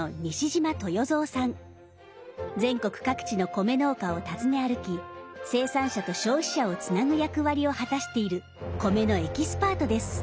全国各地の米農家を訪ね歩き生産者と消費者をつなぐ役割を果たしている米のエキスパートです。